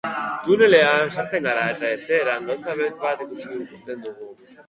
Tunelean sartzen gara eta irteeran gauza beltz bat ikusten dugu.